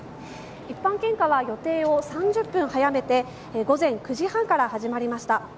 一般献花は予定を３０分早めて午前９時半から始まりました。